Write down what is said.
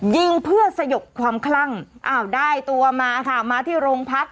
ยิงเพื่อสยบความคลั่งอ้าวได้ตัวมาค่ะมาที่โรงพัก